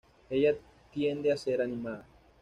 Ella tiende a ser animada.